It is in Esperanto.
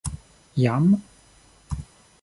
Jam?